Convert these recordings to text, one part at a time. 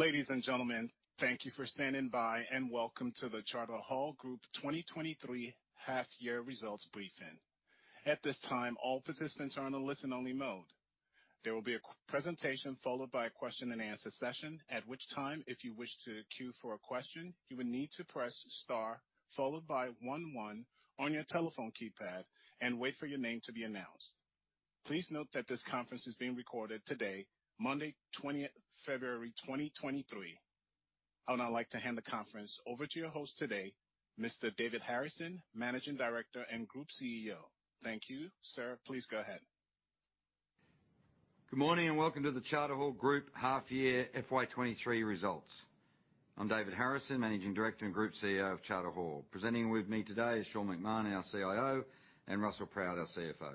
Ladies and gentlemen, thank you for standing by, and welcome to the Charter Hall Group 2023 half year results briefing. At this time, all participants are on a listen only mode. There will be a presentation followed by a question and answer session at which time, if you wish to queue for a question, you will need to press star followed by one one on your telephone keypad and wait for your name to be announced. Please note that this conference is being recorded today, Monday, 20th February, 2023. I would now like to hand the conference over to your host today, Mr. David Harrison, Managing Director and Group CEO. Thank you. Sir, please go ahead. Good morning and welcome to the Charter Hall Group half year FY23 results. I'm David Harrison, Managing Director and Group CEO of Charter Hall. Presenting with me today is Sean McMahon, our CIO, and Russell Proutt, our CFO.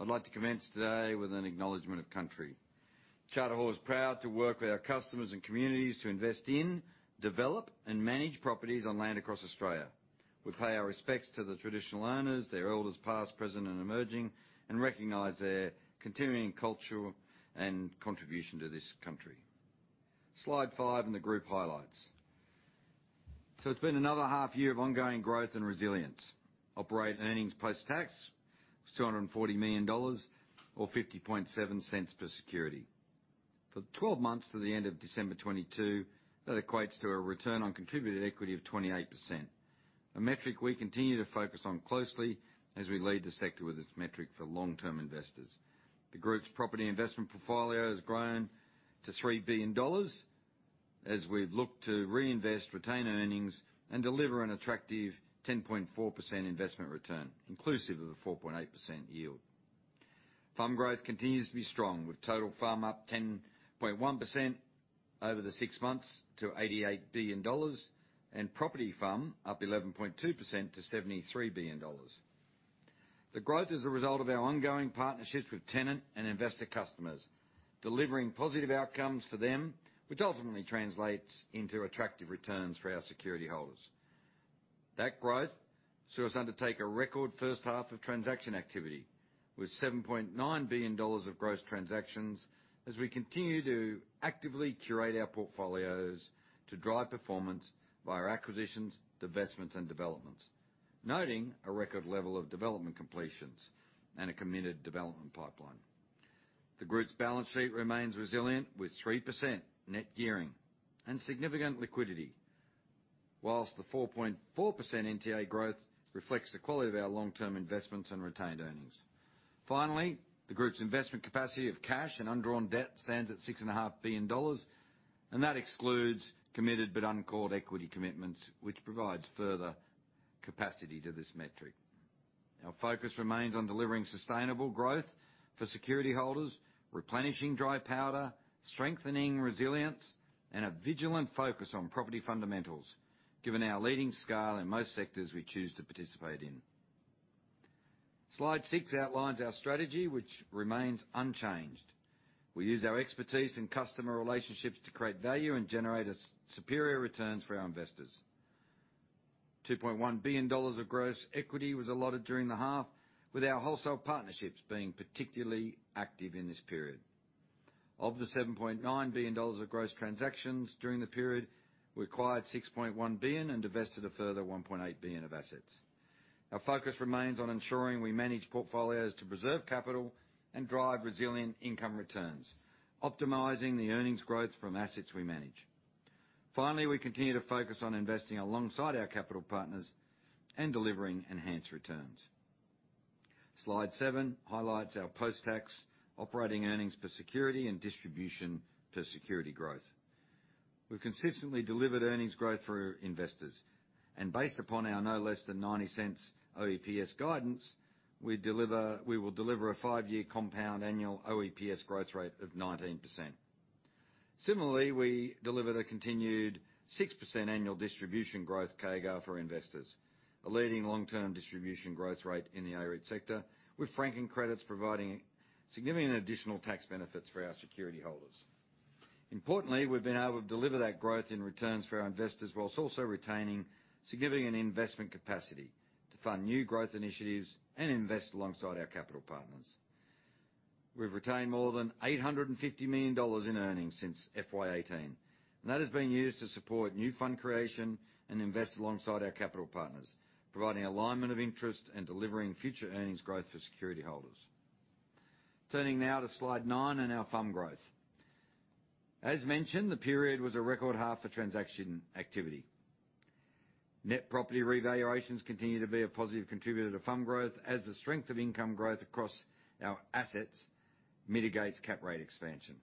I'd like to commence today with an acknowledgement of country. Charter Hall is proud to work with our customers and communities to invest in, develop, and manage properties on land across Australia. We pay our respects to the traditional owners, their elders past, present, and emerging, and recognize their continuing cultural and contribution to this country. Slide five in the group highlights. It's been another half year of ongoing growth and resilience. Operate earnings post-tax was $240 million or $50.7 per security. For the 12 months to the end of December 2022, that equates to a return on contributed equity of 28%. A metric we continue to focus on closely as we lead the sector with its metric for long-term investors. The group's property investment portfolio has grown to $3 billion as we look to reinvest, retain earnings, and deliver an attractive 10.4% investment return, inclusive of a 4.8% yield. FUM growth continues to be strong, with total FUM up 10.1% over the six months to $88 billion and property FUM up 11.2% to $73 billion. The growth is a result of our ongoing partnerships with tenant and investor customers, delivering positive outcomes for them, which ultimately translates into attractive returns for our security holders. That growth saw us undertake a record first half of transaction activity with $7.9 billion of gross transactions as we continue to actively curate our portfolios to drive performance via acquisitions, divestments, and developments. Noting a record level of development completions and a committed development pipeline. The group's balance sheet remains resilient with 3% net gearing and significant liquidity. Whilst the 4.4% NTA growth reflects the quality of our long-term investments and retained earnings. Finally, the group's investment capacity of cash and undrawn debt stands at $6.5 billion, and that excludes committed but uncalled equity commitments, which provides further capacity to this metric. Our focus remains on delivering sustainable growth for security holders, replenishing dry powder, strengthening resilience, and a vigilant focus on property fundamentals, given our leading scale in most sectors we choose to participate in. Slide six outlines our strategy, which remains unchanged. We use our expertise in customer relationships to create value and generate superior returns for our investors. $2.1 billion of gross equity was allotted during the half, with our wholesale partnerships being particularly active in this period. Of the $7.9 billion of gross transactions during the period, we acquired $6.1 billion and divested a further $1.8 billion of assets. Our focus remains on ensuring we manage portfolios to preserve capital and drive resilient income returns, optimizing the earnings growth from assets we manage. Finally, we continue to focus on investing alongside our capital partners and delivering enhanced returns. Slide seven highlights our post-tax operating earnings per security and distribution to security growth. We've consistently delivered earnings growth for our investors. Based upon our no less than $0.90 OEPS guidance, we will deliver a five-year compound annual OEPS growth rate of 19%. Similarly, we delivered a continued 6% annual distribution growth CAGR for investors, a leading long-term distribution growth rate in the iREIT sector, with franking credits providing significant additional tax benefits for our security holders. Importantly, we've been able to deliver that growth in returns for our investors whilst also retaining significant investment capacity to fund new growth initiatives and invest alongside our capital partners. We've retained more than $850 million in earnings since FY 2018. That is being used to support new fund creation and invest alongside our capital partners, providing alignment of interest and delivering future earnings growth for security holders. Turning now to slide nine and our FUM growth. As mentioned, the period was a record half for transaction activity. Net property revaluations continue to be a positive contributor to FUM growth as the strength of income growth across our assets mitigates cap rate expansion.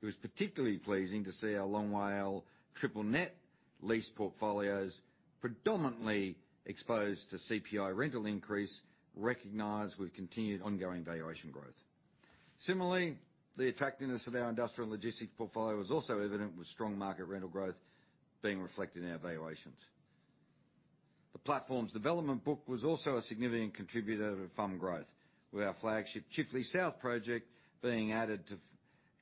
It was particularly pleasing to see our Long WALE triple-net lease portfolios predominantly exposed to CPI rental increase recognized with continued ongoing valuation growth. The attractiveness of our industrial logistics portfolio was also evident with strong market rental growth being reflected in our valuations. The platform's development book was also a significant contributor to FUM growth, with our flagship Chifley South project being added to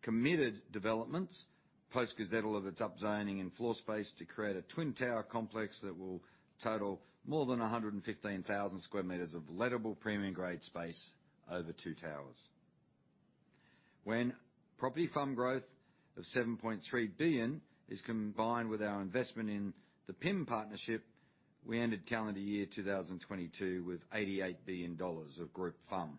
committed developments, post gazettal of its upzoning and floor space to create a twin tower complex that will total more than 115,000 sq m of lettable premium grade space over two towers. When property fund growth of $7.3 billion is combined with our investment in the PIM partnership, we ended calendar year 2022 with $88 billion of group FUM.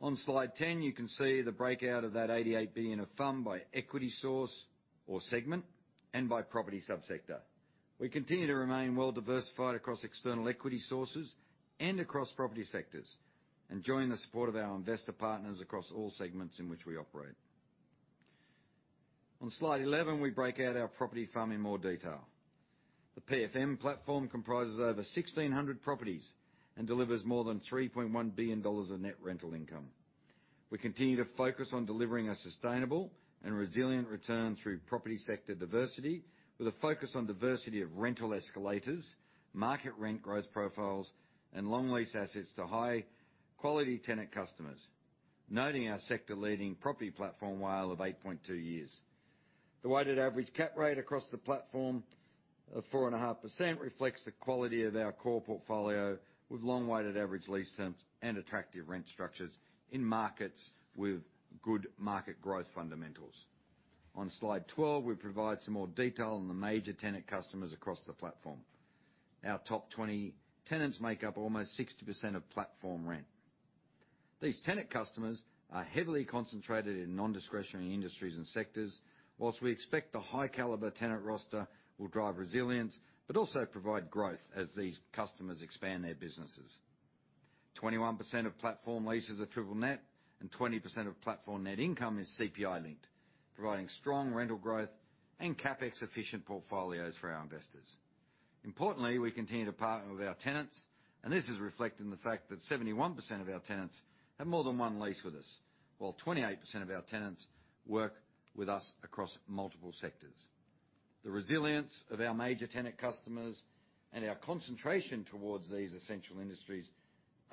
On slide 10, you can see the breakout of that $88 billion of FUM by equity source or segment and by property sub-sector. We continue to remain well-diversified across external equity sources and across property sectors, enjoying the support of our investor partners across all segments in which we operate. On Slide 11, we break out our property FUM in more detail. The PFM platform comprises over 1,600 properties and delivers more than $3.1 billion of net rental income. We continue to focus on delivering a sustainable and resilient return through property sector diversity, with a focus on diversity of rental escalators, market rent growth profiles, and long lease assets to high-quality tenant customers, noting our sector-leading property platform WALE of 8.2 years. The weighted average cap rate across the platform of 4.5% reflects the quality of our core portfolio, with long weighted average lease terms and attractive rent structures in markets with good market growth fundamentals. On Slide 12, we provide some more detail on the major tenant customers across the platform. Our top 20 tenants make up almost 60% of platform rent. These tenant customers are heavily concentrated in non-discretionary industries and sectors, whilst we expect the high caliber tenant roster will drive resilience but also provide growth as these customers expand their businesses. 21% of platform leases are triple net, and 20% of platform net income is CPI-linked, providing strong rental growth and CapEx-efficient portfolios for our investors. Importantly, we continue to partner with our tenants, and this is reflected in the fact that 71% of our tenants have more than one lease with us, while 28% of our tenants work with us across multiple sectors. The resilience of our major tenant customers and our concentration towards these essential industries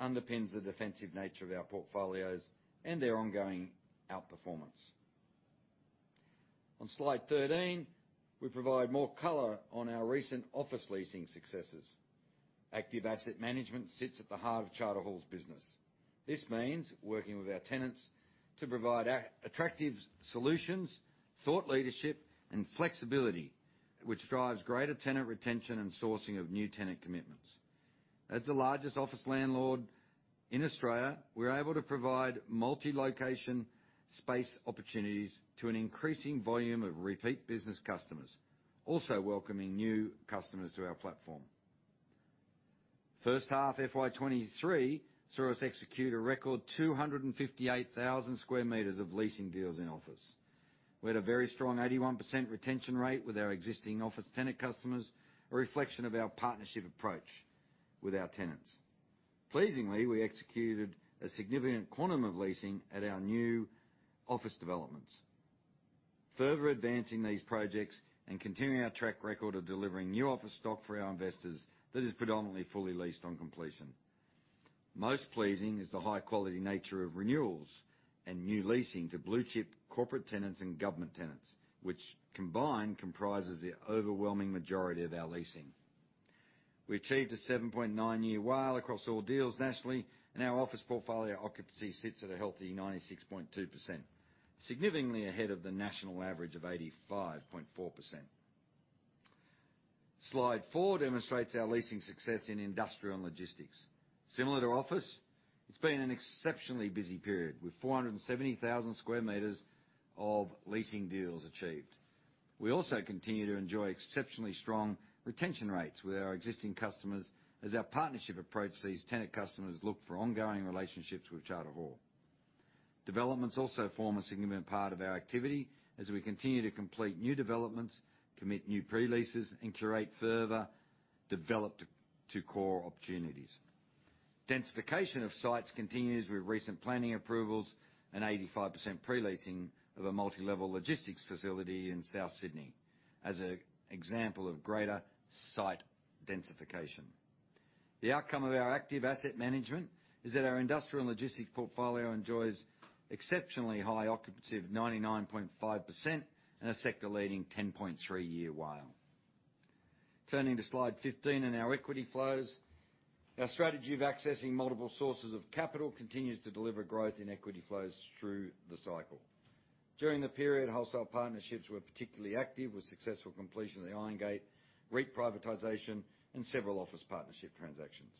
underpins the defensive nature of our portfolios and their ongoing outperformance. On slide 13, we provide more color on our recent office leasing successes. Active asset management sits at the heart of Charter Hall's business. This means working with our tenants to provide attractive solutions, thought leadership, and flexibility, which drives greater tenant retention and sourcing of new tenant commitments. As the largest office landlord in Australia, we're able to provide multi-location space opportunities to an increasing volume of repeat business customers, also welcoming new customers to our platform. First half FY 2023 saw us execute a record 258,000 sq m of leasing deals in office. We had a very strong 81% retention rate with our existing office tenant customers, a reflection of our partnership approach with our tenants. Pleasingly, we executed a significant quantum of leasing at our new office developments, further advancing these projects and continuing our track record of delivering new office stock for our investors that is predominantly fully leased on completion. Most pleasing is the high-quality nature of renewals and new leasing to blue-chip corporate tenants and government tenants, which combined comprises the overwhelming majority of our leasing. We achieved a 7.9-year WALE across all deals nationally, and our office portfolio occupancy sits at a healthy 96.2%, significantly ahead of the national average of 85.4%. Slide four demonstrates our leasing success in industrial and logistics. Similar to office, it's been an exceptionally busy period, with 470,000 sq m of leasing deals achieved. We also continue to enjoy exceptionally strong retention rates with our existing customers as our partnership approach these tenant customers look for ongoing relationships with Charter Hall. Developments also form a significant part of our activity as we continue to complete new developments, commit new pre-leases, and curate further develop to core opportunities. Densification of sites continues with recent planning approvals and 85% pre-leasing of a multi-level logistics facility in South Sydney as a example of greater site densification. The outcome of our active asset management is that our industrial and logistics portfolio enjoys exceptionally high occupancy of 99.5% and a sector-leading 10.3 year WALE. Turning to slide 15 and our equity flows. Our strategy of accessing multiple sources of capital continues to deliver growth in equity flows through the cycle. During the period, wholesale partnerships were particularly active with successful completion of the Irongate REIT privatization and several office partnership transactions.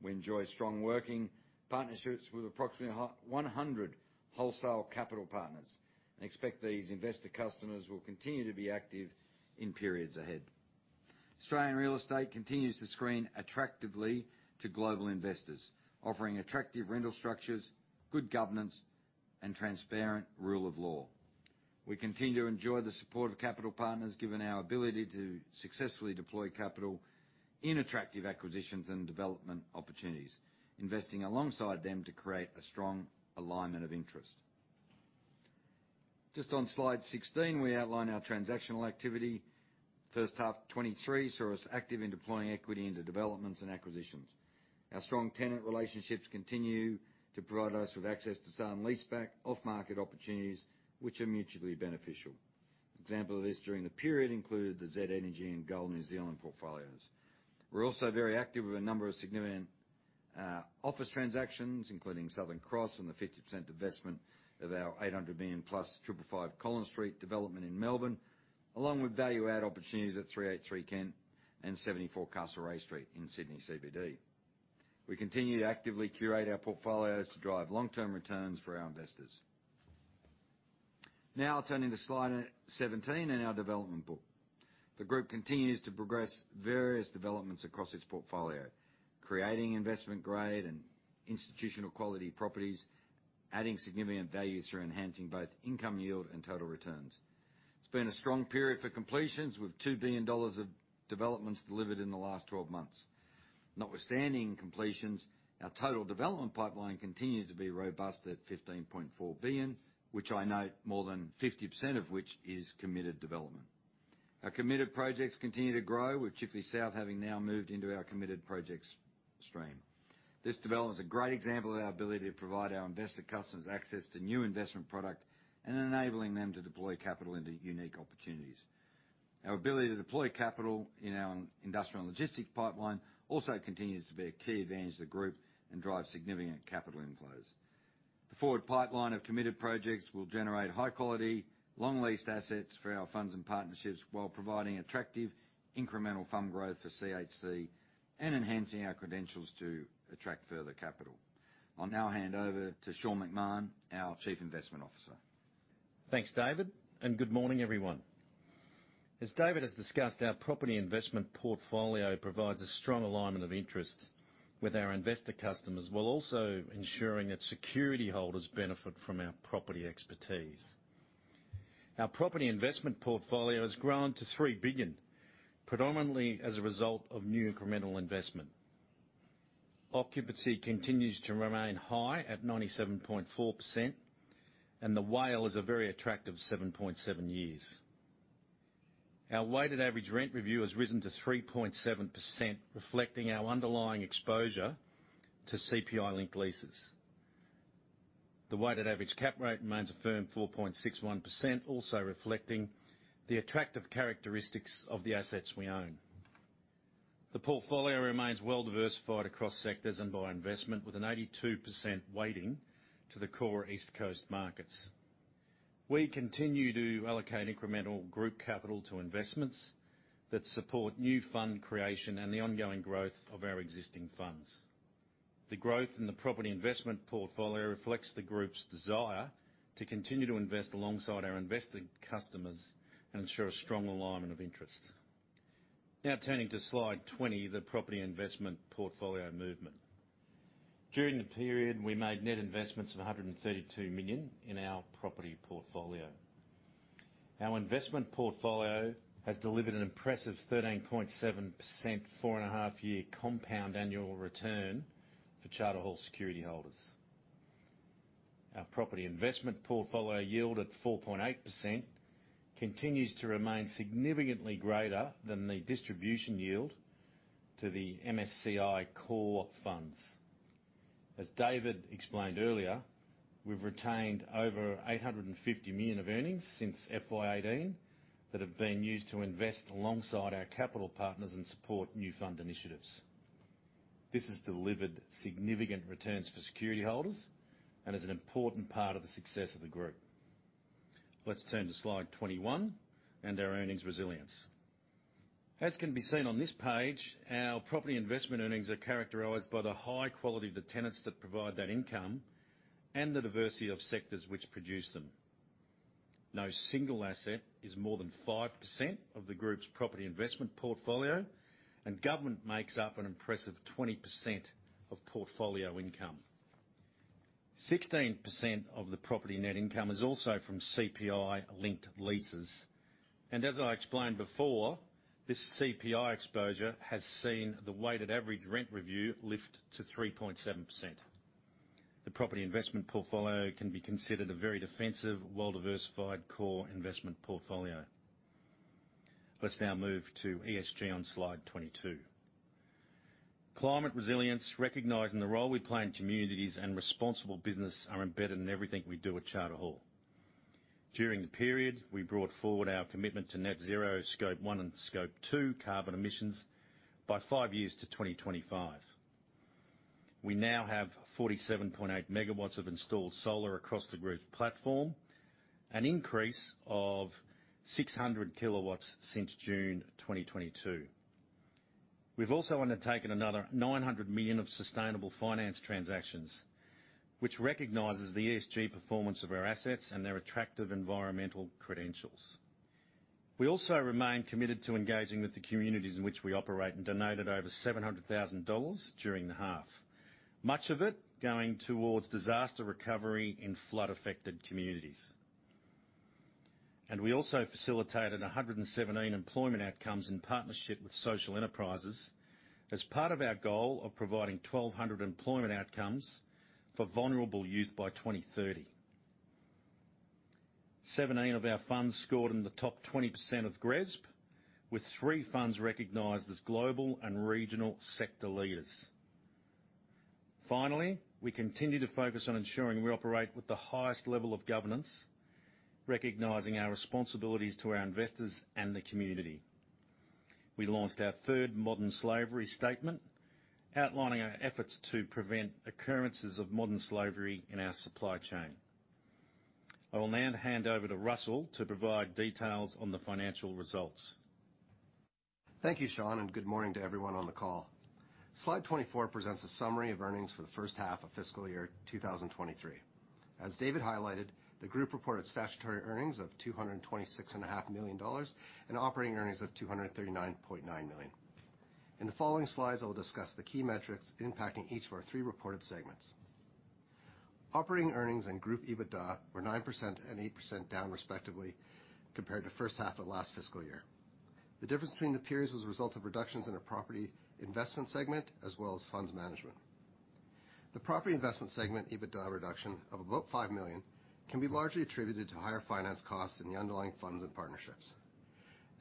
We enjoy strong working partnerships with approximately 100 wholesale capital partners and expect these investor customers will continue to be active in periods ahead. Australian real estate continues to screen attractively to global investors, offering attractive rental structures, good governance, and transparent rule of law. We continue to enjoy the support of capital partners given our ability to successfully deploy capital in attractive acquisitions and development opportunities, investing alongside them to create a strong alignment of interest. On slide 16, we outline our transactional activity. First half 2023 saw us active in deploying equity into developments and acquisitions. Our strong tenant relationships continue to provide us with access to some leaseback off-market opportunities which are mutually beneficial. Example of this during the period included the Z Energy and Gull New Zealand portfolios. We're also very active with a number of significant office transactions, including Southern Cross and the 50% investment of our $800 million plus 555 Collins Street development in Melbourne, along with value-add opportunities at 383 Kent and 74 Castlereagh Street in Sydney CBD. We continue to actively curate our portfolios to drive long-term returns for our investors. Turning to slide 17 in our development book. The group continues to progress various developments across its portfolio, creating investment-grade and institutional-quality properties, adding significant value through enhancing both income yield and total returns. It's been a strong period for completions, with $2 billion of developments delivered in the last 12 months. Notwithstanding completions, our total development pipeline continues to be robust at $15.4 billion, which I note more than 50% of which is committed development. Our committed projects continue to grow, with Chifley South having now moved into our committed projects stream. This development is a great example of our ability to provide our investor customers access to new investment product and enabling them to deploy capital into unique opportunities. Our ability to deploy capital in our industrial and logistics pipeline also continues to be a key advantage to the group and drives significant capital inflows. The forward pipeline of committed projects will generate high quality, long leased assets for our funds and partnerships while providing attractive incremental fund growth for CHC and enhancing our credentials to attract further capital. I'll now hand over to Sean McMahon, our chief investment officer. Thanks, David. Good morning, everyone. As David has discussed, our property investment portfolio provides a strong alignment of interests with our investor customers, while also ensuring its security holders benefit from our property expertise. Our property investment portfolio has grown to $3 billion, predominantly as a result of new incremental investment. Occupancy continues to remain high at 97.4%, and the WALE is a very attractive 7.7 years. Our weighted average rent review has risen to 3.7%, reflecting our underlying exposure to CPI-linked leases. The weighted average cap rate remains a firm 4.61%, also reflecting the attractive characteristics of the assets we own. The portfolio remains well-diversified across sectors and by investment, with an 82% weighting to the core East Coast markets. We continue to allocate incremental group capital to investments that support new fund creation and the ongoing growth of our existing funds. The growth in the property investment portfolio reflects the group's desire to continue to invest alongside our investing customers and ensure a strong alignment of interest. Turning to slide 20, the property investment portfolio movement. During the period, we made net investments of $132 million in our property portfolio. Our investment portfolio has delivered an impressive 13.7%, four and a half year compound annual return for Charter Hall security holders. Our property investment portfolio yield at 4.8% continues to remain significantly greater than the distribution yield to the MSCI core funds. As David explained earlier, we've retained over $850 million of earnings since FY 2018 that have been used to invest alongside our capital partners and support new fund initiatives. This has delivered significant returns for security holders and is an important part of the success of the group. Let's turn to slide 21 and our earnings resilience. As can be seen on this page, our property investment earnings are characterized by the high quality of the tenants that provide that income and the diversity of sectors which produce them. No single asset is more than 5% of the group's property investment portfolio. Government makes up an impressive 20% of portfolio income. 16% of the property net income is also from CPI-linked leases. As I explained before, this CPI exposure has seen the weighted average rent review lift to 3.7%. The property investment portfolio can be considered a very defensive, well-diversified core investment portfolio. Let's now move to ESG on slide 22. Climate resilience, recognizing the role we play in communities and responsible business are embedded in everything we do at Charter Hall. During the period, we brought forward our commitment to net zero Scope one and Scope two carbon emissions by five years to 2025. We now have 47.8 MG of installed solar across the group's platform, an increase of 600 kW since June 2022. We've also undertaken another $900 million of sustainable finance transactions, which recognizes the ESG performance of our assets and their attractive environmental credentials. We also remain committed to engaging with the communities in which we operate and donated over $700,000 during the half, much of it going towards disaster recovery in flood-affected communities. We also facilitated 117 employment outcomes in partnership with social enterprises as part of our goal of providing 1,200 employment outcomes for vulnerable youth by 2030. 17 of our funds scored in the top 20% of GRESB, with three funds recognized as global and regional sector leaders. Finally, we continue to focus on ensuring we operate with the highest level of governance, recognizing our responsibilities to our investors and the community. We launched our third modern slavery statement, outlining our efforts to prevent occurrences of modern slavery in our supply chain. I will now hand over to Russell to provide details on the financial results. Thank you, Sean. Good morning to everyone on the call. Slide 24 presents a summary of earnings for the first half of fiscal year 2023. As David highlighted, the group reported statutory earnings of $226,500,000 and operating earnings of $239.9 million. In the following slides, I will discuss the key metrics impacting each of our three reported segments. Operating earnings and group EBITDA were 9% and 8% down respectively compared to first half of last fiscal year. The difference between the periods was a result of reductions in our property investment segment as well as funds management. The property investment segment EBITDA reduction of about $5 million can be largely attributed to higher finance costs in the underlying funds and partnerships.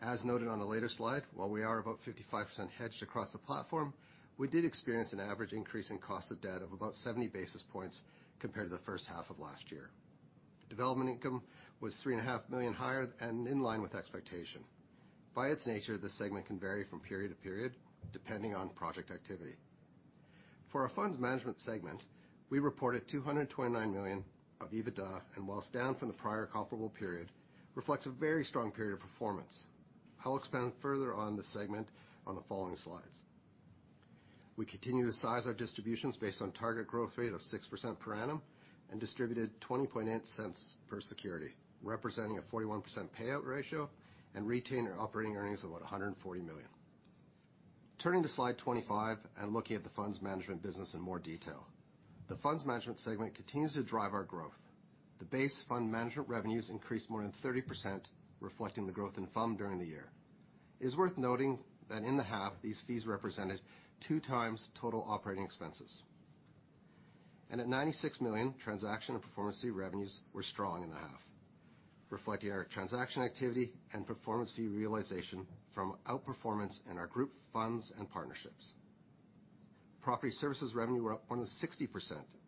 As noted on a later slide, while we are about 55% hedged across the platform, we did experience an average increase in cost of debt of about 70 basis points compared to the first half of last year. Development income was $3,500,000 higher and in line with expectation. For our funds management segment, we reported $229 million of EBITDA, and whilst down from the prior comparable period, reflects a very strong period of performance. I will expand further on this segment on the following slides. We continue to size our distributions based on target growth rate of 6% per annum and distributed $20.80 per security, representing a 41% payout ratio and retain our operating earnings of about $140 million. Turning to slide 25 and looking at the funds management business in more detail. The funds management segment continues to drive our growth. The base fund management revenues increased more than 30%, reflecting the growth in FUM during the year. It is worth noting that in the half, these fees represented two times total operating expenses. At $96 million, transaction and performance fee revenues were strong in the half, reflecting our transaction activity and performance fee realization from outperformance in our group funds and partnerships. Property services revenue were up more than 60%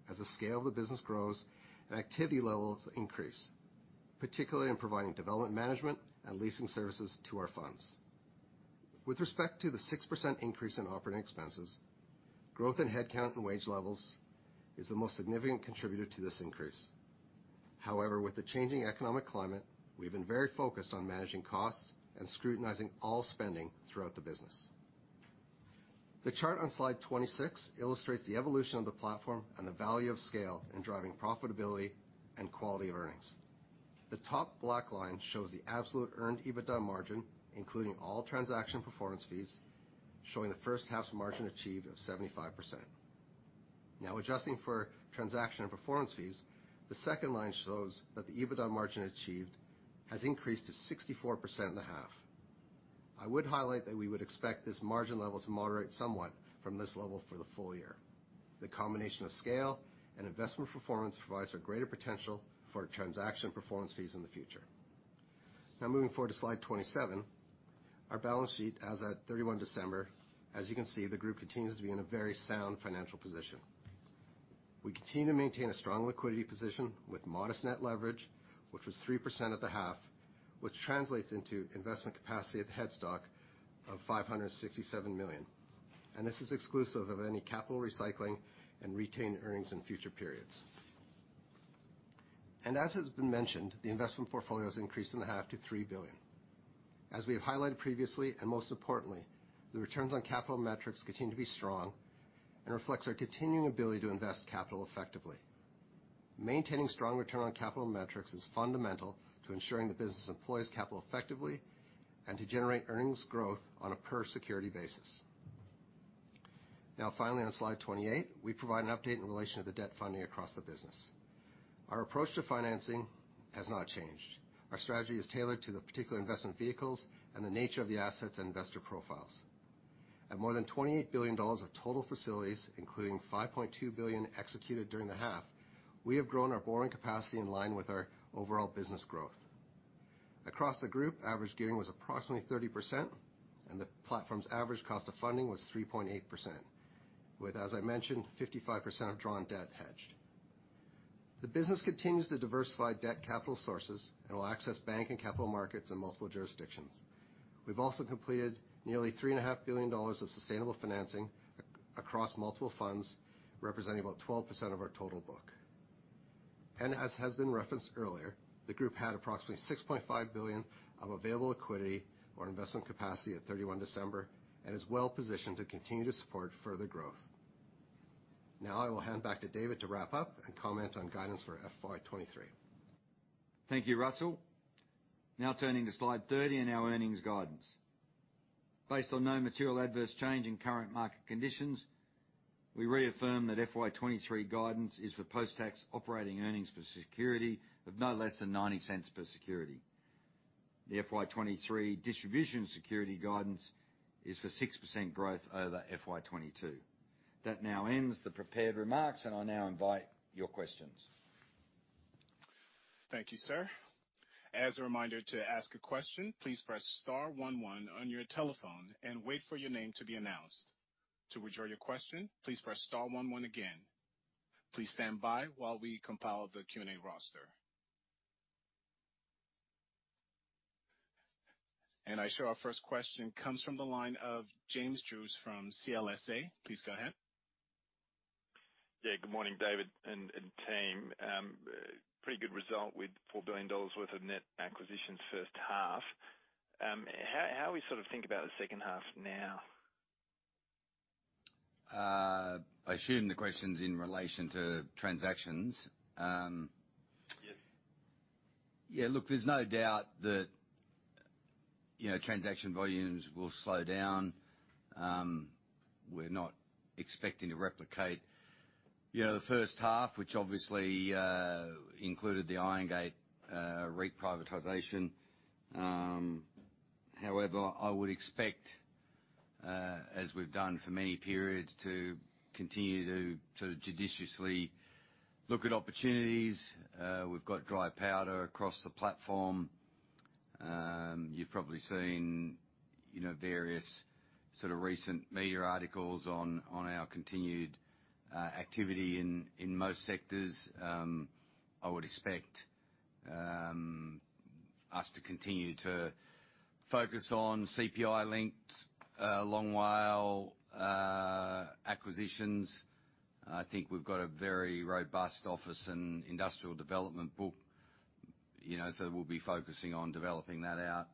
as the scale of the business grows and activity levels increase, particularly in providing development management and leasing services to our funds. With respect to the 6% increase in operating expenses, growth in headcount and wage levels is the most significant contributor to this increase. However, with the changing economic climate, we've been very focused on managing costs and scrutinizing all spending throughout the business. The chart on slide 26 illustrates the evolution of the platform and the value of scale in driving profitability and quality of earnings. The top black line shows the absolute earned EBITDA margin, including all transaction performance fees, showing the first half's margin achieved of 75%. Adjusting for transaction and performance fees, the second line shows that the EBITDA margin achieved has increased to 64% in the half. I would highlight that we would expect this margin level to moderate somewhat from this level for the full year. The combination of scale and investment performance provides a greater potential for transaction performance fees in the future. Moving forward to slide 27, our balance sheet as at 31 December. As you can see, the group continues to be in a very sound financial position. We continue to maintain a strong liquidity position with modest net leverage, which was 3% at the half, which translates into investment capacity at the headstock of $567 million. This is exclusive of any capital recycling and retained earnings in future periods. As has been mentioned, the investment portfolio has increased in the half to $3 billion. As we have highlighted previously, and most importantly, the returns on capital metrics continue to be strong and reflects our continuing ability to invest capital effectively. Maintaining strong return on capital metrics is fundamental to ensuring the business employs capital effectively and to generate earnings growth on a per security basis. Finally, on slide 28, we provide an update in relation to the debt funding across the business. Our approach to financing has not changed. Our strategy is tailored to the particular investment vehicles and the nature of the assets and investor profiles. At more than $28 billion of total facilities, including $5.2 billion executed during the half, we have grown our borrowing capacity in line with our overall business growth. Across the group, average gearing was approximately 30%, and the platform's average cost of funding was 3.8%. With, as I mentioned, 55% of drawn debt hedged. The business continues to diversify debt capital sources and will access bank and capital markets in multiple jurisdictions. We've also completed nearly $3,500,000,000 of sustainable financing across multiple funds, representing about 12% of our total book. As has been referenced earlier, the group had approximately $6.5 billion of available liquidity or investment capacity at 31 December and is well positioned to continue to support further growth. I will hand back to David to wrap up and comment on guidance for FY 2023. Thank you, Russell. Now turning to slide 30 and our earnings guidance. Based on no material adverse change in current market conditions, we reaffirm that FY 2023 guidance is for post-tax operating earnings per security of no less than $0.90 per security. The FY 2023 distribution security guidance is for 6% growth over FY 2022. That now ends the prepared remarks, and I now invite your questions. Thank you, sir. As a reminder, to ask a question, please press star one one on your telephone and wait for your name to be announced. To withdraw your question, please press star one one again. Please stand by while we compile the Q&A roster. I show our first question comes from the line of James Druce from CLSA. Please go ahead. Yeah, good morning, David and team. Pretty good result with $4 billion worth of net acquisitions first half. How are we sort of thinking about the second half now? I assume the question's in relation to transactions. Yes. Yeah, look, there's no doubt that, you know, transaction volumes will slow down. We're not expecting to replicate, you know, the first half, which obviously included the IronGate re-privatization. However, I would expect, as we've done for many periods, to continue to sort of judiciously look at opportunities. We've got dry powder across the platform. You've probably seen, you know, various sort of recent media articles on our continued activity in most sectors. I would expect us to continue to focus on CPI linked, Long WALE acquisitions. I think we've got a very robust office and industrial development book, you know, so we'll be focusing on developing that out.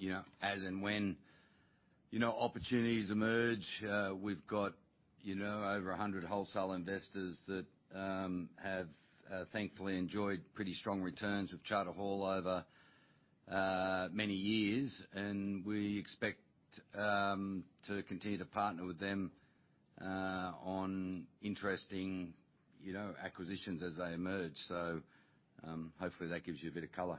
You know, as and when, you know, opportunities emerge, we've got, you know, over 100 wholesale investors that have thankfully enjoyed pretty strong returns with Charter Hall over many years. We expect to continue to partner with them on interesting, you know, acquisitions as they emerge. Hopefully that gives you a bit of color.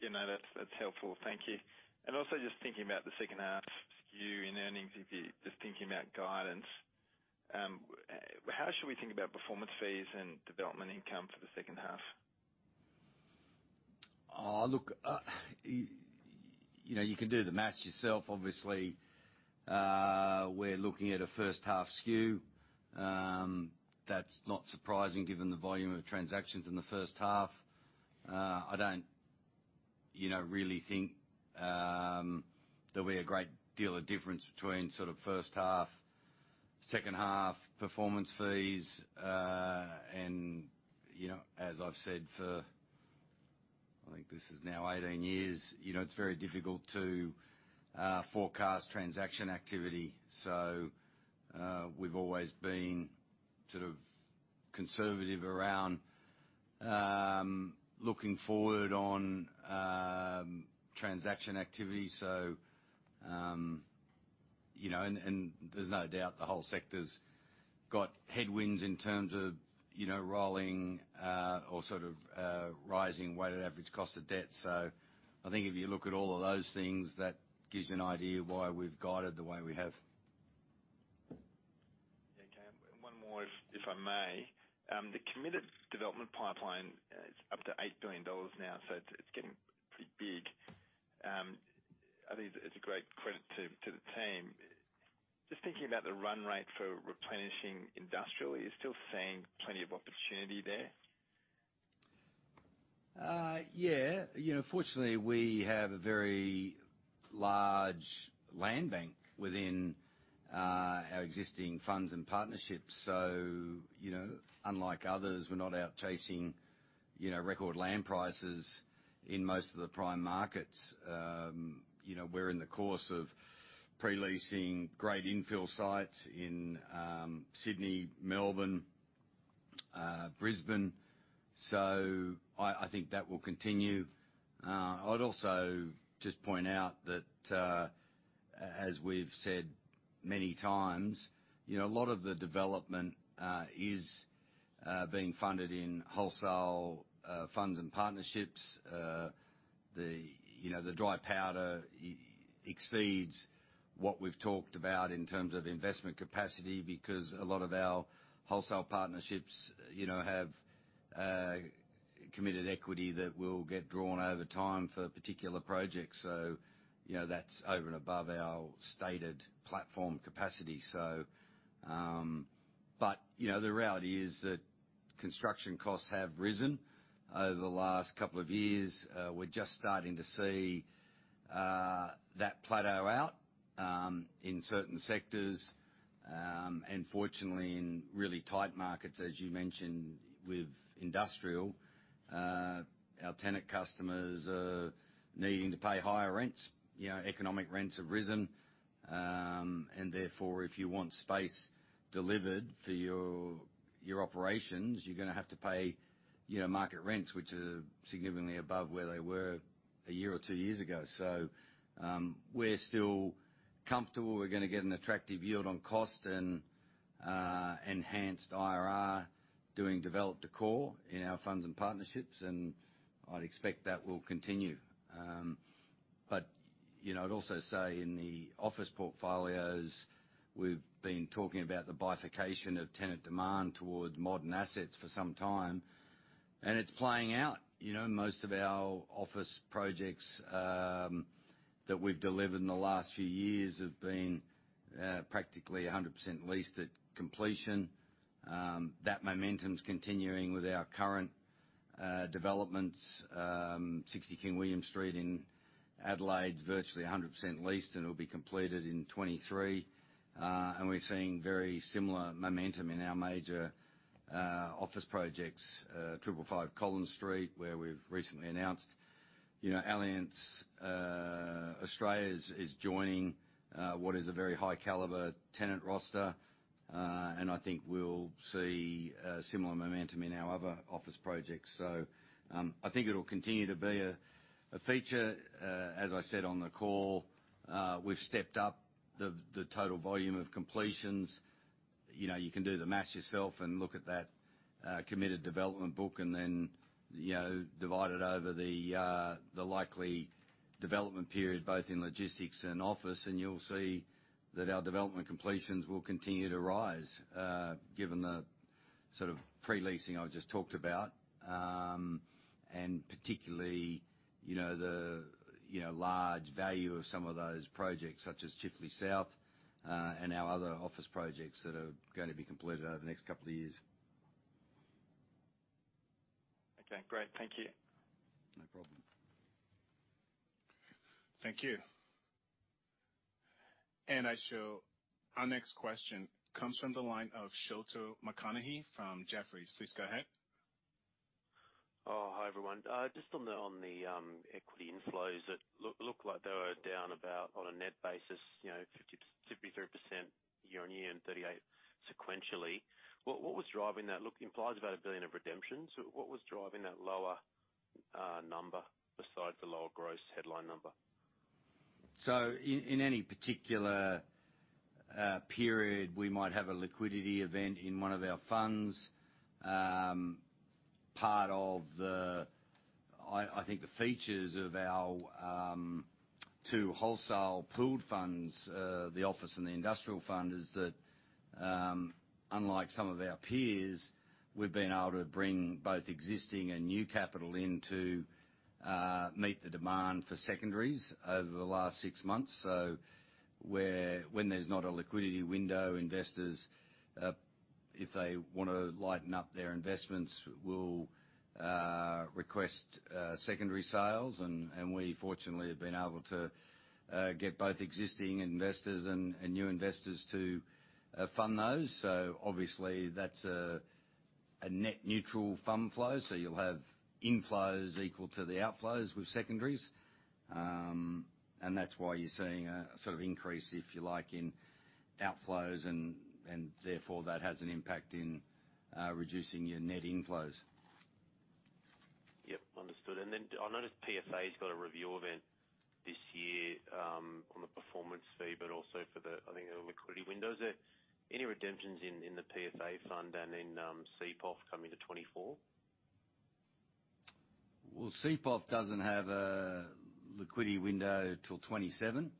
Yeah, no, that's helpful. Thank you. Also just thinking about the second half skew in earnings, if you're just thinking about guidance, how should we think about performance fees and development income for the second half? Look, you know, you can do the math yourself. Obviously, we're looking at a first half skew. That's not surprising given the volume of transactions in the first half. I don't, you know, really think there'll be a great deal of difference between sort of first half, second half performance fees. You know, as I've said for, I think this is now 18 years, you know, it's very difficult to forecast transaction activity. We've always been sort of conservative around looking forward on transaction activity. You know, and there's no doubt the whole sector's got headwinds in terms of, you know, rolling or sort of rising weighted average cost of debt. I think if you look at all of those things, that gives you an idea why we've guided the way we have. Okay. One more if I may. The committed development pipeline is up to $8 billion now. It's getting pretty big. I think it's a great credit to the team. Just thinking about the run rate for replenishing industrially, you're still seeing plenty of opportunity there? Yeah. You know, fortunately, we have a very large land bank within our existing funds and partnerships. You know, unlike others, we're not out chasing, you know, record land prices in most of the prime markets. You know, we're in the course of pre-leasing great infill sites in Sydney, Melbourne, Brisbane. I think that will continue. I would also just point out that, as we've said many times, you know, a lot of the development is being funded in wholesale funds and partnerships. The dry powder exceeds what we've talked about in terms of investment capacity, because a lot of our wholesale partnerships, you know, have committed equity that will get drawn over time for particular projects. You know, that's over and above our stated platform capacity. But you know, the reality is that construction costs have risen over the last couple of years. We're just starting to see that plateau out in certain sectors. And fortunately in really tight markets, as you mentioned with industrial, our tenant customers are needing to pay higher rents. You know, economic rents have risen. And therefore, if you want space delivered for your operations, you're gonna have to pay, you know, market rents, which are significantly above where they were a year or two years ago. We're still comfortable we're gonna get an attractive yield on cost and enhanced IRR doing developed to core in our funds and partnerships, and I'd expect that will continue. I'd also say in the office portfolios, we've been talking about the bifurcation of tenant demand towards modern assets for some time, and it's playing out. Most of our office projects that we've delivered in the last few years have been practically 100% leased at completion. That momentum's continuing with our current developments. 60 King William Street in Adelaide's virtually 100% leased, and it will be completed in 2023. We're seeing very similar momentum in our major office projects, 555 Collins Street, where we've recently announced Allianz Australia is joining what is a very high caliber tenant roster. I think we'll see similar momentum in our other office projects. I think it'll continue to be a feature, as I said on the call. We've stepped up the total volume of completions. You know, you can do the math yourself and look at that committed development book and then, you know, divide it over the likely development period, both in logistics and office, and you'll see that our development completions will continue to rise, given the sort of pre-leasing I've just talked about. Particularly, you know, the, you know, large value of some of those projects, such as Chifley South, and our other office projects that are going to be completed over the next couple of years. Okay, great. Thank you. No problem. Thank you. I show our next question comes from the line of Sholto Maconochie from Jefferies. Please go ahead. Hi, everyone. Just on the equity inflows that look like they were down about on a net basis, you know, 50%-53% year-on-year and 38% sequentially. What was driving that look implies about $1 billion of redemptions. What was driving that lower number besides the lower gross headline number? In any particular period, we might have a liquidity event in one of our funds. I think the features of our two wholesale pooled funds, the office and the industrial fund, is that, unlike some of our peers, we've been able to bring both existing and new capital in to meet the demand for secondaries over the last six months. When there's not a liquidity window, investors, if they wanna lighten up their investments, will request secondary sales. And we fortunately have been able to get both existing investors and new investors to fund those. Obviously that's a net neutral fund flow. You'll have inflows equal to the outflows with secondaries. That's why you're seeing a sort of increase, if you like, in outflows and therefore that has an impact in reducing your net inflows. Yep, understood. I noticed PFA's got a review event this year, on the performance fee, but also for the, I think, the liquidity windows. Any redemptions in the PFA fund and in CPOF coming to 2024? CPOF doesn't have a liquidity window till 2027.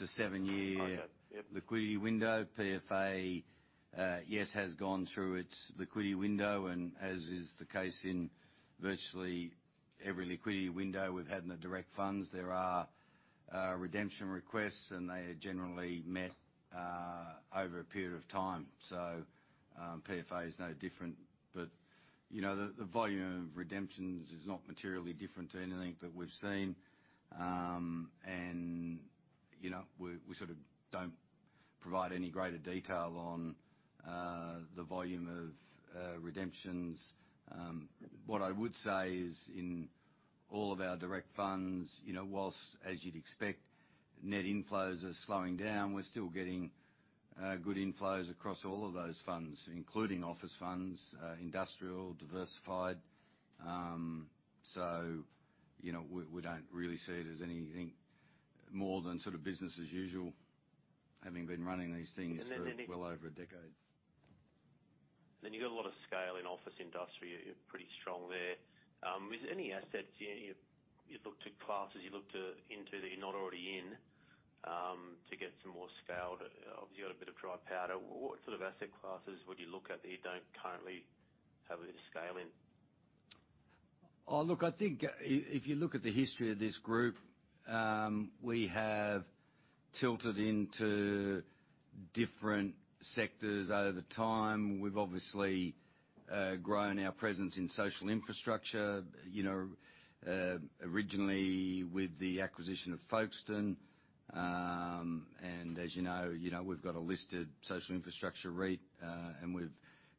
Okay. Yep. liquidity window. PFA, yes, has gone through its liquidity window and as is the case in virtually every liquidity window we've had in the direct funds, there are redemption requests, and they are generally met over a period of time. PFA is no different, but, you know, the volume of redemptions is not materially different to anything that we've seen. You know, we sort of don't provide any greater detail on the volume of redemptions. What I would say is in all of our direct funds, you know, whilst as you'd expect, net inflows are slowing down, we're still getting good inflows across all of those funds, including office funds, industrial, diversified. You know, we don't really see it as anything more than sort of business as usual, having been running these things... And then any- -for well over a decade. You've got a lot of scale in office industry. You're pretty strong there. With any assets, you've looked to classes, into that you're not already in, to get some more scale. Obvious you've got a bit of dry powder. What sort of asset classes would you look at that you don't currently have a bit of scale in? Oh, look, I think if you look at the history of this group, we have tilted into different sectors over the time. We've obviously, grown our presence in social infrastructure, you know, originally with the acquisition of Folkestone. As you know, you know, we've got a listed social infrastructure REIT, and we've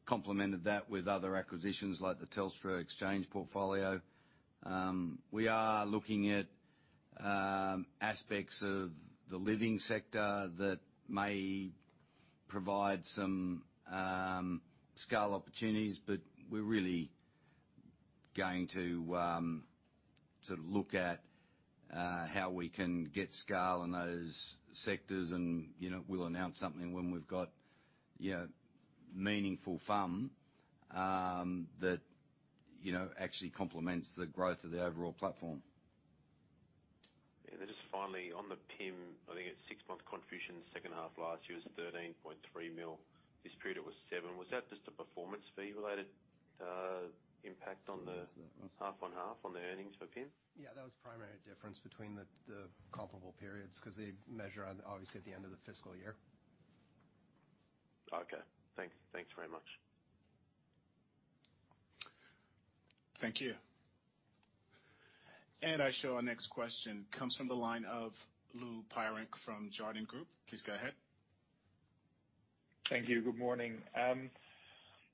complemented that with other acquisitions like the Telstra Exchange portfolio. We are looking at, aspects of the living sector that may provide some, scale opportunities, but we're really going to sort of look at, how we can get scale in those sectors and, you know, we'll announce something when we've got, you know, meaningful FUM, that you know, actually complements the growth of the overall platform. Yeah, just finally on the PIM, I think it's six months confusion, second half last year was $13.3 million. This period was $7 million. Was that just a performance fee-related impact on the half-on-half on the earnings for PIM? That was primary difference between the comparable periods 'cause they measure on, obviously, at the end of the fiscal year. Okay. Thanks. Thanks very much. Thank you. I show our next question comes from the line of Lou Pirenc from Jarden Group. Please go ahead. Thank you. Good morning.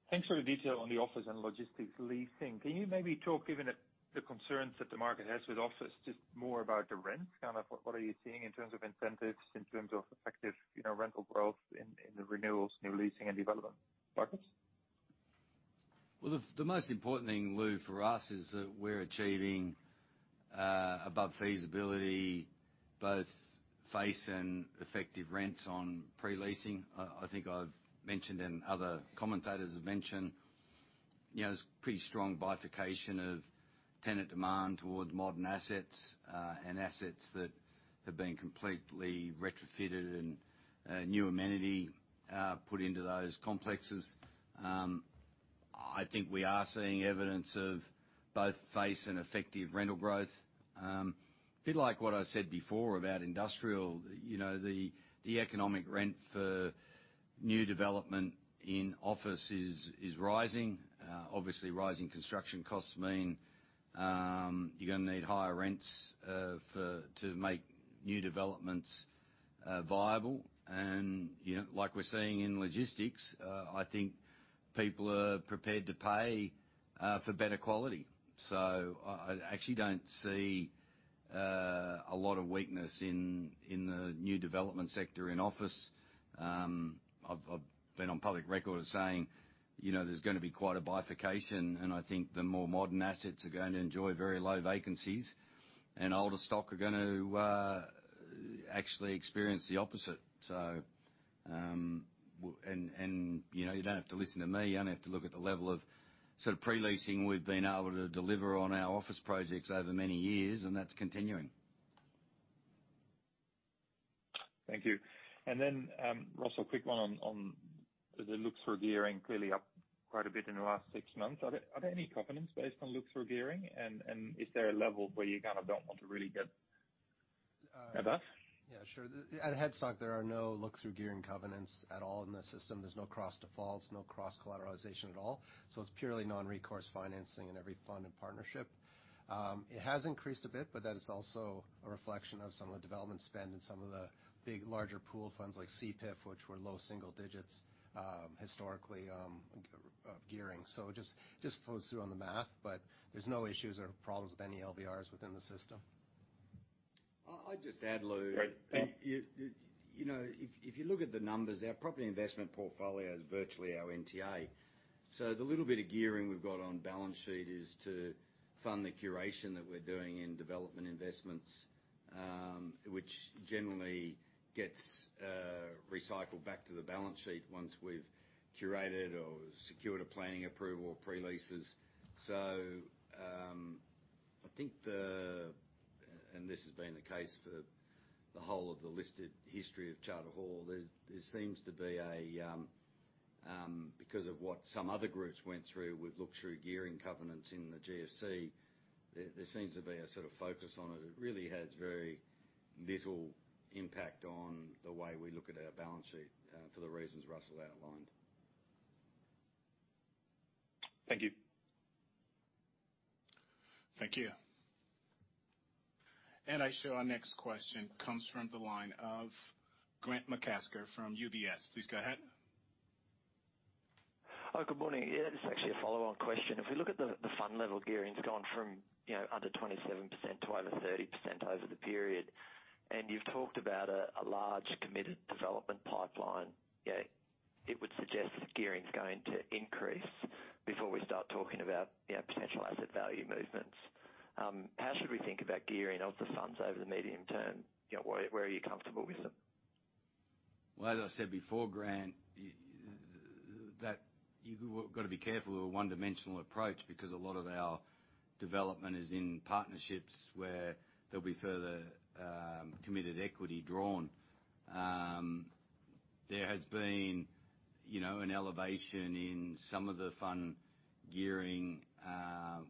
Thanks for the detail on the office and logistics leasing. Can you maybe talk, given the concerns that the market has with office, just more about the rent, kind of what are you seeing in terms of incentives, in terms of effective, you know, rental growth in the renewals, new leasing and development markets? The most important thing, Lou, for us is that we're achieving above feasibility, both face and effective rents on pre-leasing. I think I've mentioned and other commentators have mentioned, you know, there's pretty strong bifurcation of tenant demand towards modern assets and assets that have been completely retrofitted and new amenity put into those complexes. I think we are seeing evidence of both face and effective rental growth. A bit like what I said before about industrial, you know, the economic rent for new development in office is rising. Obviously rising construction costs mean you're gonna need higher rents for to make new developments viable. You know, like we're seeing in logistics, I think people are prepared to pay for better quality. I actually don't see a lot of weakness in the new development sector in office. I've been on public record as saying, you know, there's gonna be quite a bifurcation. I think the more modern assets are going to enjoy very low vacancies, and older stock are going to actually experience the opposite. You know, you don't have to listen to me. You only have to look at the level of sort of pre-leasing we've been able to deliver on our office projects over many years, and that's continuing. Thank you. Russell, quick one on the look-through gearing clearly up quite a bit in the last six months. Are there any covenants based on look-through gearing? Is there a level where you kind of don't want to really get at that? Yeah, sure. At Head Stock, there are no look-through gearing covenants at all in the system. There's no cross defaults, no cross collateralization at all. It's purely non-recourse financing in every fund and partnership. It has increased a bit, but that is also a reflection of some of the development spend and some of the big larger pool funds like CPIF, which were low single digits historically gearing. Just follow through on the math, but there's no issues or problems with any LVRs within the system. I just add, Lou Great. Thank- You know, if you look at the numbers, our property investment portfolio is virtually our NTA. The little bit of gearing we've got on balance sheet is to fund the curation that we're doing in development investments, which generally gets recycled back to the balance sheet once we've curated or secured a planning approval or pre-leases. I think the... And this has been the case for the whole of the listed history of Charter Hall. There seems to be a because of what some other groups went through with look-through gearing covenants in the GFC, there seems to be a sort of focus on it. It really has very little impact on the way we look at our balance sheet for the reasons Russell outlined. Thank you. Thank you. I show our next question comes from the line of Grant McCasker from UBS. Please go ahead. Good morning. Yeah, this is actually a follow-up question. If we look at the fund-level gearing's gone from, you know, under 27% to over 30% over the period, and you've talked about a large committed development pipeline, you know, it would suggest gearing's going to increase before we start talking about, you know, potential asset value movements. How should we think about gearing of the funds over the medium term? You know, where are you comfortable with them? Well, as I said before, Grant, that you gotta be careful of a one-dimensional approach because a lot of our development is in partnerships where there'll be further committed equity drawn. There has been, you know, an elevation in some of the fund gearing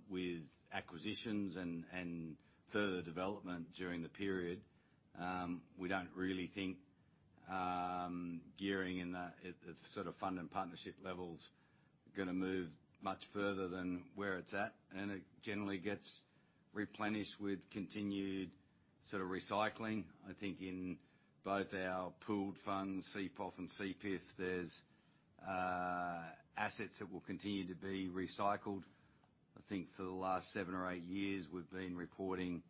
with acquisitions and further development during the period. We don't really think gearing in that it's sort of fund and partnership level's gonna move much further than where it's at, and it generally gets replenished with continued sort of recycling. I think in both our pooled funds, CPOF and CPIF, there's assets that will continue to be recycled. I think for the last seven or eight years, we've been reporting,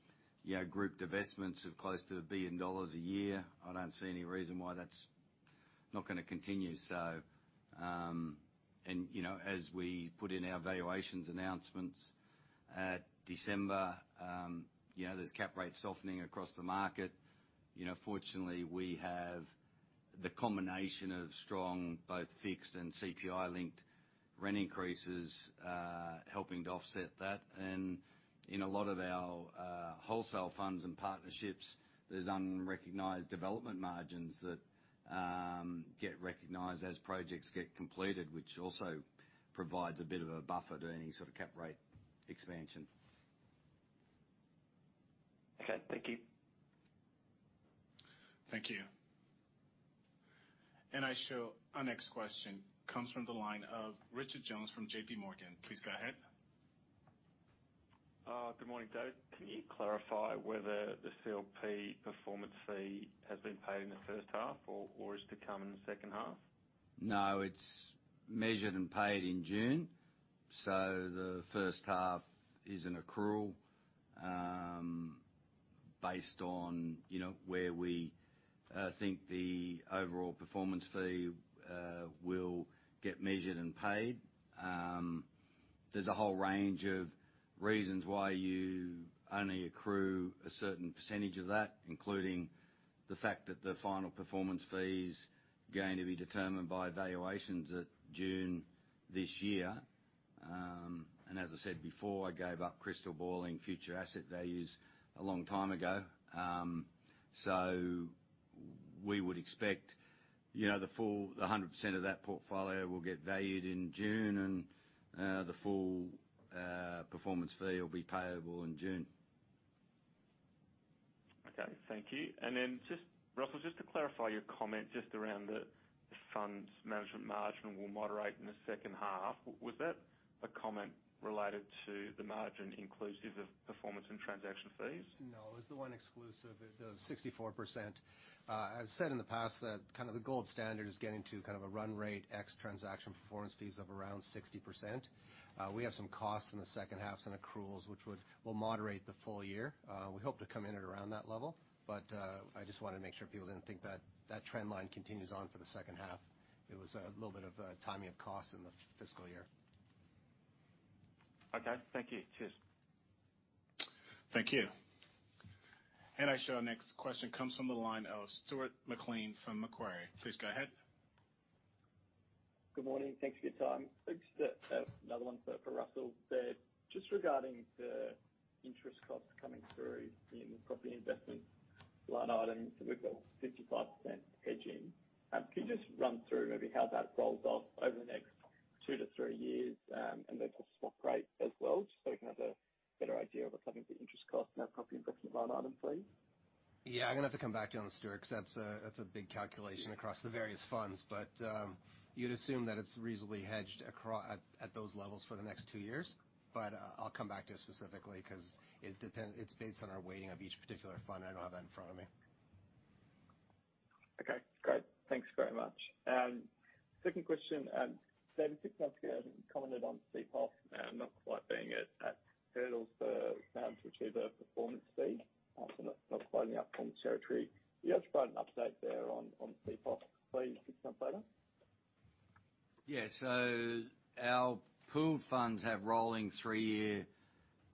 you know, group divestments of close to $ billion a year. I don't see any reason why that's not gonna continue. As we put in our valuations announcements. At December, you know, there's cap rates softening across the market. You know, fortunately, we have the combination of strong, both fixed and CPI-linked rent increases, helping to offset that. In a lot of our wholesale funds and partnerships, there's unrecognized development margins that get recognized as projects get completed, which also provides a bit of a buffer to any sort of cap rate expansion. Okay. Thank you. Thank you. I show our next question comes from the line of Richard Jones from JPMorgan. Please go ahead. Good morning, Dave. Can you clarify whether the CLP performance fee has been paid in the first half or is to come in the second half? It's measured and paid in June, so the first half is an accrual, based on, you know, where we think the overall performance fee will get measured and paid. There's a whole range of reasons why you only accrue a certain percentage of that, including the fact that the final performance fee is going to be determined by valuations at June this year. As I said before, I gave up crystal balling future asset values a long time ago. We would expect, you know, the full, the 100% of that portfolio will get valued in June and the full performance fee will be payable in June. Okay. Thank you. Just, Russell, just to clarify your comment just around the funds management margin will moderate in the second half. Was that a comment related to the margin inclusive of performance and transaction fees? No, it's the one exclusive, the 64%. I've said in the past that kind of the gold standard is getting to kind of a run rate X transaction performance fees of around 60%. We have some costs in the second half, some accruals, which will moderate the full year. We hope to come in at around that level, but I just wanna make sure people didn't think that that trend line continues on for the second half. It was a little bit of timing of cost in the fiscal year. Okay. Thank you. Cheers. Thank you. I show our next question comes from the line of Stuart McLean from Macquarie. Please go ahead. Good morning. Thanks for your time. Just another one for Russell. Just regarding the interest costs coming through in the property investment line item, we've got 55% hedging. Can you just run through maybe how that rolls off over the next two to three years, and the swap rate as well, just so we can have a better idea of what's happening with the interest cost in our property investment line item, please? I'm gonna have to come back to you on that, Stuart, 'cause that's a, that's a big calculation across the various funds. You'd assume that it's reasonably hedged at those levels for the next two years. I'll come back to you specifically 'cause it's based on our weighting of each particular fund. I don't have that in front of me. Okay. Great. Thanks very much. Second question, David, six months ago, you commented on CPOF, not quite being at hurdles, to achieve a performance fee, not quite in the upfront territory. Can you just provide an update there on CPOF, please, six months later? Our pool funds have rolling three-year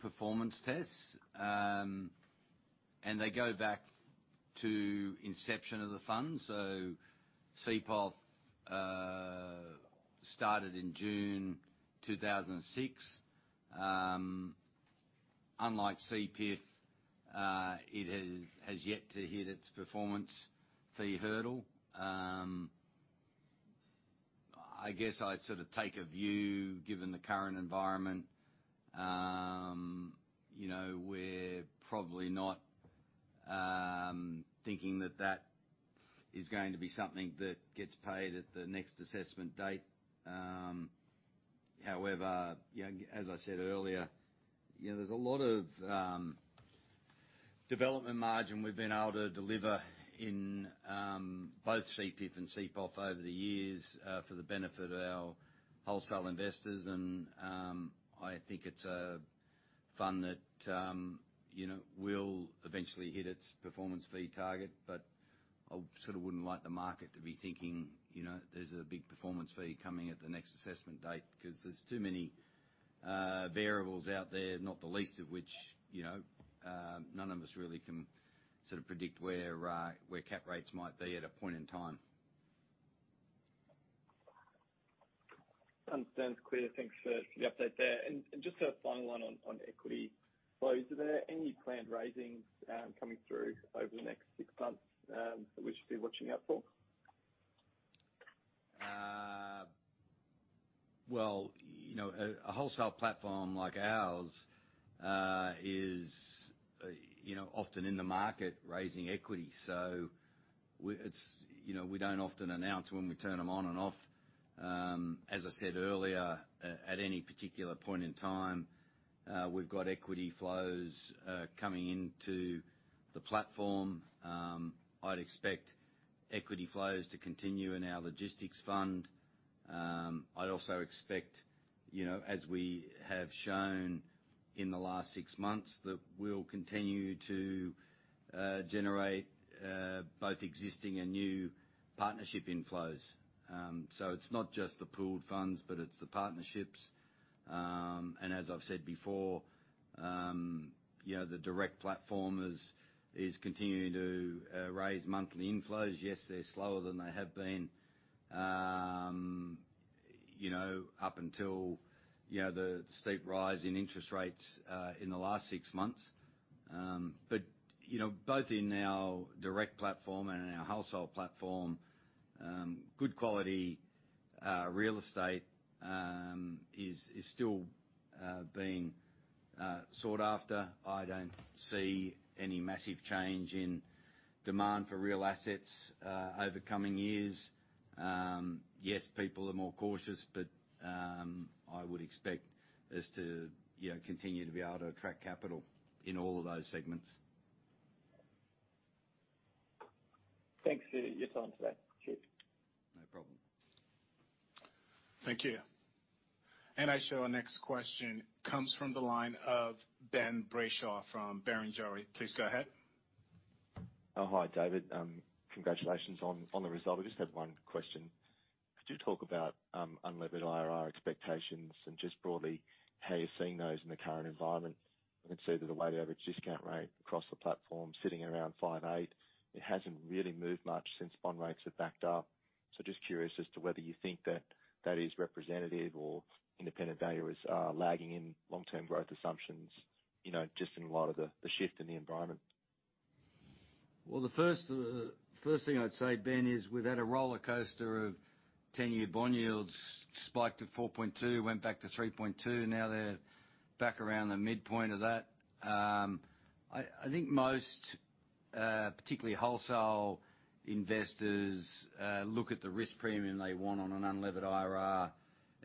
performance tests, and they go back to inception of the fund. CPOF started in June 2006. Unlike CPIF, it has yet to hit its performance fee hurdle. I guess I'd sort of take a view, given the current environment, you know, we're probably not thinking that that is going to be something that gets paid at the next assessment date. However, you know, as I said earlier, you know, there's a lot of development margin we've been able to deliver in both CPIF and CPOF over the years, for the benefit of our wholesale investors. I think it's a fund that, you know, will eventually hit its performance fee target. I sort of wouldn't like the market to be thinking, you know, there's a big performance fee coming at the next assessment date 'cause there's too many variables out there, not the least of which, you know, none of us really can sort of predict where cap rates might be at a point in time. Understood. Clear. Thanks for the update there. Just a final one on equity flows. Are there any planned raisings coming through over the next six months that we should be watching out for? Well, you know, a wholesale platform like ours is, you know, often in the market raising equity, so it's, you know, we don't often announce when we turn them on and off. As I said earlier, at any particular point in time, we've got equity flows coming into the platform. I'd expect equity flows to continue in our logistics fund. I'd also expect, you know, as we have shown in the last six months, that we'll continue to generate both existing and new partnership inflows. It's not just the pooled funds, but it's the partnerships. As I've said before, you know, the direct platform is continuing to raise monthly inflows. They're slower than they have been, you know, up until, you know, the steep rise in interest rates, in the last six months. Both in our direct platform and in our household platform, good quality, real estate, is still being sought after. I don't see any massive change in demand for real assets over coming years. People are more cautious, but I would expect us to, you know, continue to be able to attract capital in all of those segments. Thanks for your time today. Cheers. No problem. Thank you. I show our next question comes from the line of Ben Brayshaw from Barrenjoey. Please go ahead. Oh, hi, David. Congratulations on the result. I just have one question. Could you talk about unlevered IRR expectations and just broadly how you're seeing those in the current environment? I can see that the weighted average discount rate across the platform sitting around 5.8. It hasn't really moved much since bond rates have backed up. Just curious as to whether you think that that is representative or independent value is lagging in long-term growth assumptions, you know, just in light of the shift in the environment. The first thing I'd say, Ben, is we've had a roller coaster of 10-year bond yields spike to 4.2, went back to 3.2, now they're back around the midpoint of that. I think most, particularly wholesale investors, look at the risk premium they want on an unlevered IRR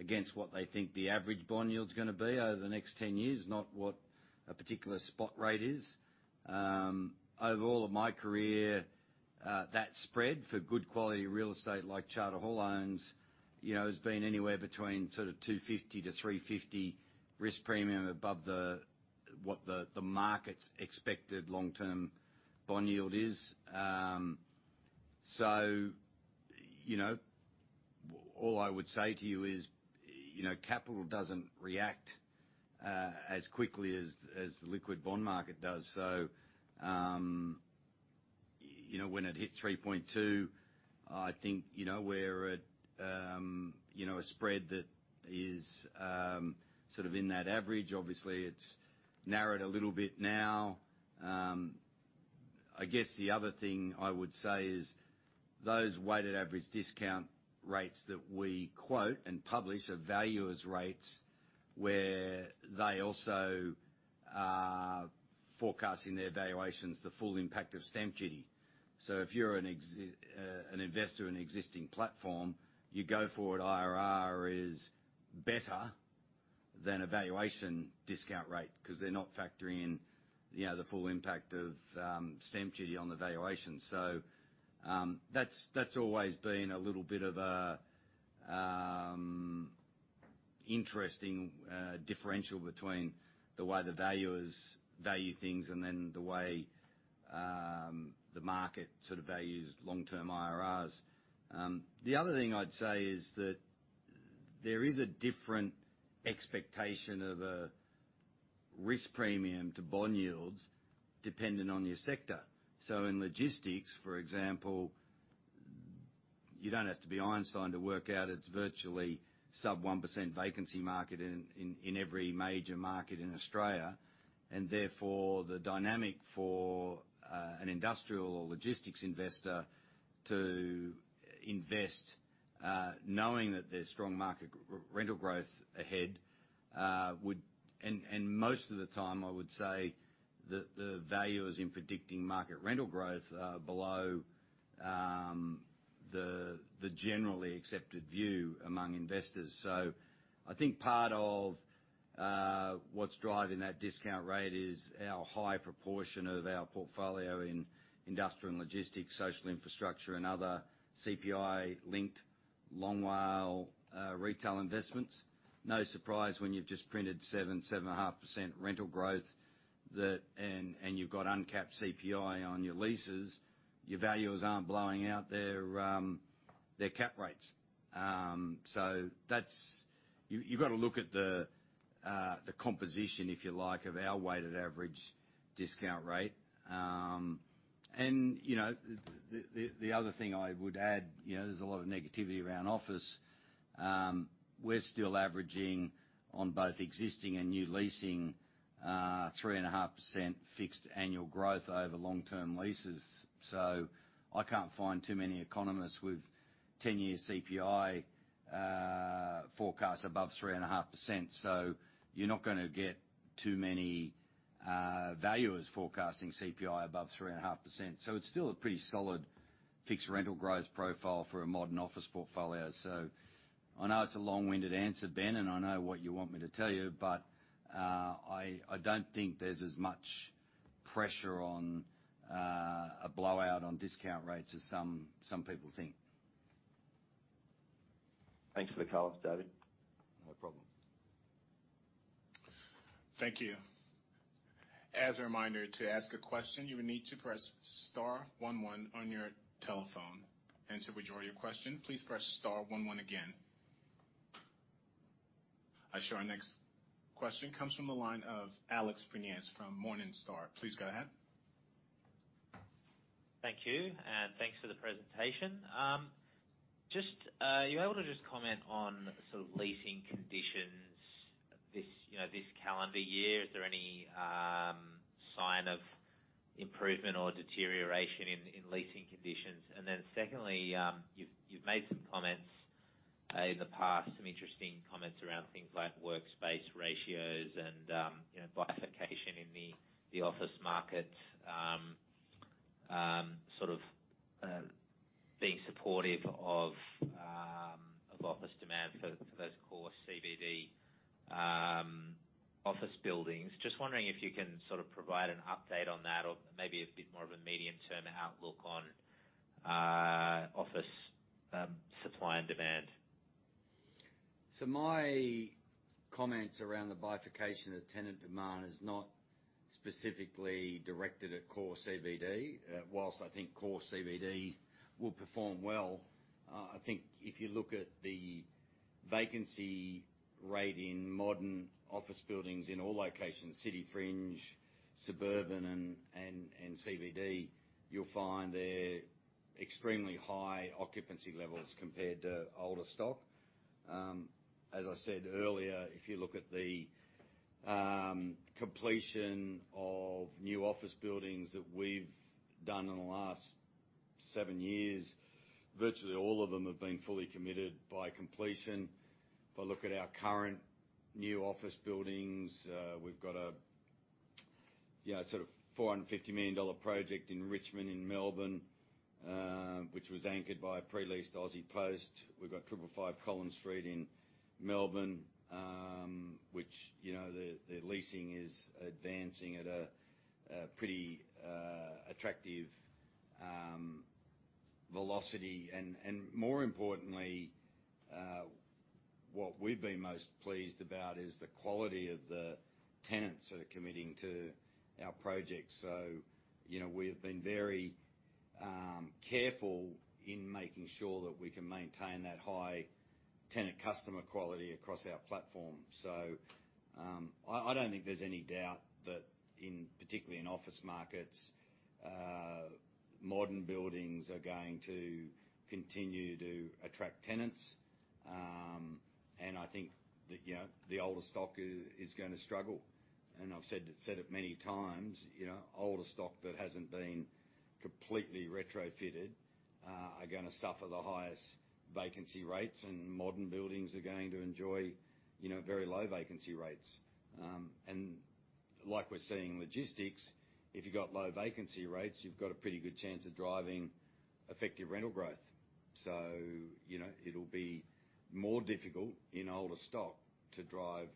against what they think the average bond yield's gonna be over the next 10 years, not what a particular spot rate is. Over all of my career, that spread for good quality real estate like Charter Hall owns, you know, has been anywhere between sort of 250-350 risk premium above the, what the market's expected long-term bond yield is. You know, all I would say to you is, you know, capital doesn't react as quickly as the liquid bond market does. You know, when it hit 3.2, I think, you know, we're at, you know, a spread that is sort of in that average. Obviously, it's narrowed a little bit now. I guess the other thing I would say is those weighted average discount rates that we quote and publish are valuer's rates, where they also are forecasting their valuations the full impact of stamp duty. If you're an investor in an existing platform, your go forward IRR is better than a valuation discount rate 'cause they're not factoring in, you know, the full impact of stamp duty on the valuation. That's always been a little bit of a interesting differential between the way the valuers value things and then the way the market sort of values long-term IRRs. The other thing I'd say is that there is a different expectation of a risk premium to bond yields dependent on your sector. In logistics, for example, you don't have to be Einstein to work out it's virtually sub 1% vacancy market in every major market in Australia. Therefore, the dynamic for an industrial or logistics investor to invest, knowing that there's strong market rental growth ahead, would... Most of the time, I would say that the value is in predicting market rental growth below the generally accepted view among investors. I think part of what's driving that discount rate is our high proportion of our portfolio in industrial and logistics, social infrastructure, and other CPI-linked Long WALE retail investments. No surprise when you've just printed 7%, 7.5% rental growth that, and you've got uncapped CPI on your leases, your valuers aren't blowing out their cap rates. You gotta look at the composition, if you like, of our weighted average discount rate. You know, the other thing I would add, you know, there's a lot of negativity around office. We're still averaging on both existing and new leasing, 3.5% fixed annual growth over long-term leases. I can't find too many economists with 10-year CPI forecast above 3.5%. You're not gonna get too many valuers forecasting CPI above 3.5%. It's still a pretty solid fixed rental growth profile for a modern office portfolio. I know it's a long-winded answer, Ben, and I know what you want me to tell you, but I don't think there's as much pressure on a blowout on discount rates as some people think. Thanks for the colors, David. No problem. Thank you. As a reminder, to ask a question, you will need to press star one one on your telephone. To withdraw your question, please press star one one again. I show our next question comes from the line of Alex Prineas from Morningstar. Please go ahead. Thank you, and thanks for the presentation. Just, are you able to just comment on sort of leasing conditions this, you know, this calendar year? Is there any sign of improvement or deterioration in leasing conditions? Secondly, you've made some comments in the past, some interesting comments around things like workspace ratios and, you know, bifurcation in the office market, being supportive of office demand for those core CBD office buildings. Just wondering if you can sort of provide an update on that or maybe a bit more of a medium-term outlook on office supply and demand. My comments around the bifurcation of tenant demand is not specifically directed at core CBD. Whilst I think core CBD will perform well, I think if you look at the vacancy rate in modern office buildings in all locations, city fringe, suburban and CBD, you'll find they're extremely high occupancy levels compared to older stock. As I said earlier, if you look at the completion of new office buildings that we've done in the last seven years, virtually all of them have been fully committed by completion. If I look at our current new office buildings, we've got a, you know, sort of $450 million project in Richmond in Melbourne, which was anchored by a pre-leased Aussie Post. We've got 555 Collins Street in Melbourne, which, you know, the leasing is advancing at a pretty attractive velocity. More importantly, what we've been most pleased about is the quality of the tenants that are committing to our project. You know, we have been very careful in making sure that we can maintain that high tenant customer quality across our platform. I don't think there's any doubt that in, particularly in office markets, modern buildings are going to continue to attract tenants. I think that, you know, the older stock is gonna struggle. I've said it many times, you know, older stock that hasn't been completely retrofitted, are gonna suffer the highest vacancy rates, and modern buildings are going to enjoy, you know, very low vacancy rates. Like we're seeing logistics, if you've got low vacancy rates, you've got a pretty good chance of driving effective rental growth. You know, it'll be more difficult in older stock to drive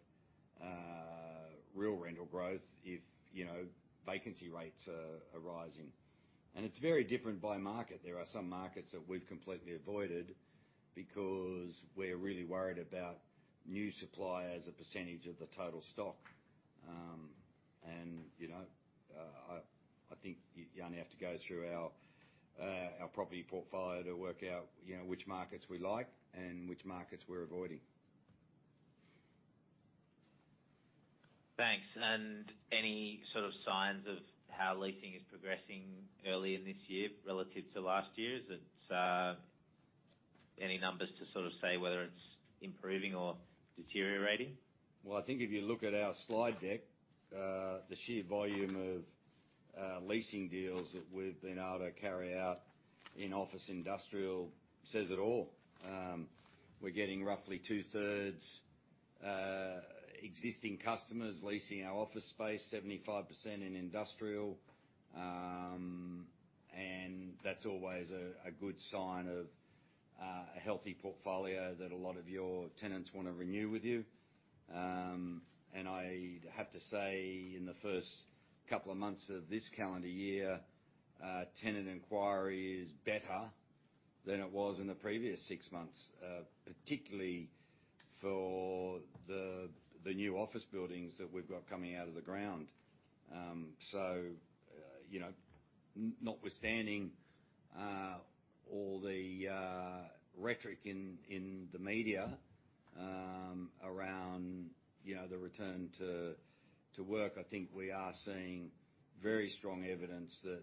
real rental growth if, you know, vacancy rates are rising. It's very different by market. There are some markets that we've completely avoided because we're really worried about new supply as a percentage of the total stock. You know, I think you only have to go through our property portfolio to work out, you know, which markets we like and which markets we're avoiding. Thanks. Any sort of signs of how leasing is progressing earlier this year relative to last year? Is it any numbers to sort of say whether it's improving or deteriorating? I think if you look at our slide deck, the sheer volume of leasing deals that we've been able to carry out in office industrial says it all. We're getting roughly 2/3 existing customers leasing our office space, 75% in industrial. That's always a good sign of a healthy portfolio that a lot of your tenants wanna renew with you. I'd have to say, in the first couple of months of this calendar year, tenant inquiry is better than it was in the previous six months, particularly for the new office buildings that we've got coming out of the ground. You know, notwithstanding all the rhetoric in the media, around you know, the return to work, I think we are seeing very strong evidence that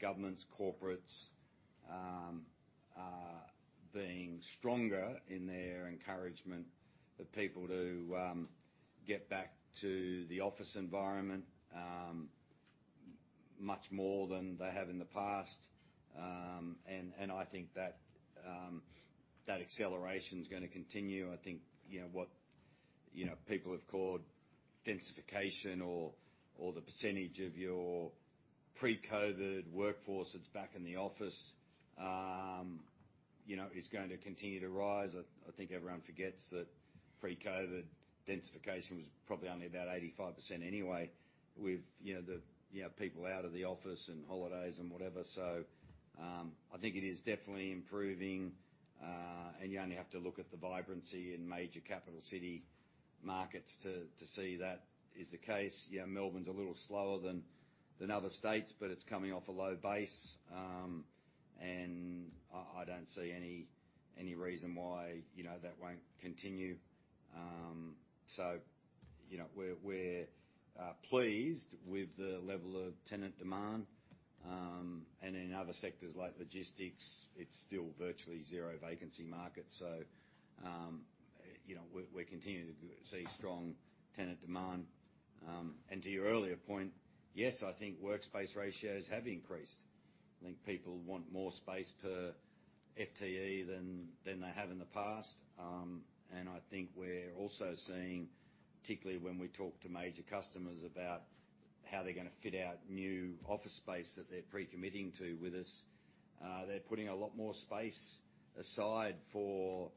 governments, corporates, are being stronger in their encouragement of people to get back to the office environment, much more than they have in the past. I think that acceleration's gonna continue. I think, you know, what people have called densification or the percentage of your pre-COVID workforce that's back in the office, you know, is going to continue to rise. I think everyone forgets that pre-COVID densification was probably only about 85% anyway with, you know, you know, people out of the office and holidays and whatever so I think it is definitely improving. You only have to look at the vibrancy in major capital city markets to see that is the case. Yeah, Melbourne's a little slower than other states, but it's coming off a low base. I don't see any reason why, you know, that won't continue. You know, we're pleased with the level of tenant demand. In other sectors like logistics, it's still virtually zero vacancy market. You know, we're continuing to see strong tenant demand. To your earlier point, yes, I think workspace ratios have increased. I think people want more space per FTE than they have in the past. I think we're also seeing, particularly when we talk to major customers about how they're gonna fit out new office space that they're pre-committing to with us, they're putting a lot more space aside for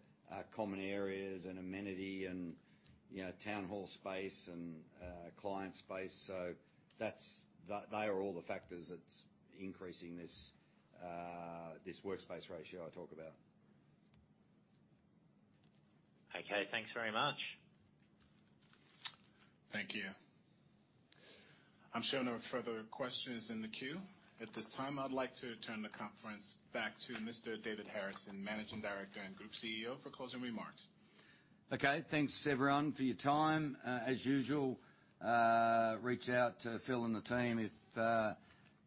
common areas and amenity and, you know, town hall space and client space. They are all the factors that's increasing this workspace ratio I talk about. Okay. Thanks very much. Thank you. I'm showing no further questions in the queue. At this time, I'd like to turn the conference back to Mr David Harrison, Managing Director and Group CEO, for closing remarks. Okay. Thanks, everyone, for your time. As usual, reach out to Phil and the team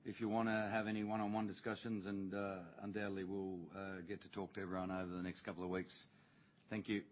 if you wanna have any one-on-one discussions and undoubtedly we'll get to talk to everyone over the next couple of weeks. Thank you.